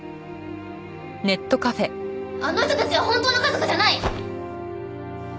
あの人たちは本当の家族じゃない！